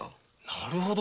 なるほど。